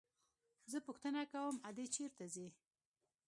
زه پوښتنه کوم ادې چېرته ځي.